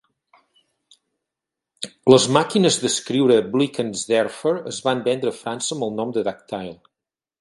Les màquines d'escriure Blickensderfer es van vendre a França amb el nom de Dactyle.